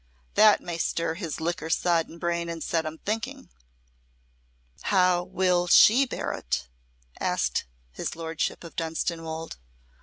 That may stir his liquor sodden brain and set him thinking." "How will she bear it?" asked his Lordship of Dunstanwolde.